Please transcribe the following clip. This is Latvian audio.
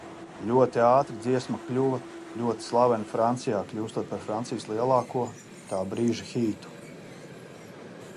Ļoti ātri dziesma kļuva ļoti slavena Francijā, kļūstot par Francijas lielāko tā brīža hitu.